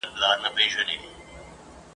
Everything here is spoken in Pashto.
رمې اوتري ګرځي ..